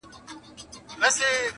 په رقيب چي مي اختر دي،